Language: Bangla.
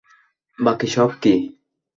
বাকি সব কি?